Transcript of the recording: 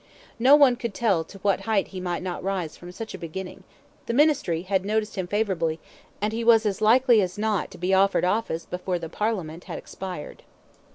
No one could tell to what height he might not rise from such a beginning; the ministry had noticed him favourably, and he was as likely as not to be offered office before the parliament had expired.